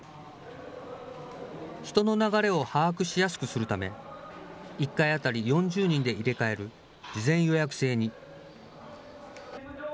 人の流れを把握しやすくするため、１回当たり４０人で入れ替える事前予約制に。